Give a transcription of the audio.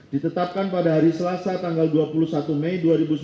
ditetapkan pada hari selasa tanggal dua puluh satu mei dua ribu sembilan belas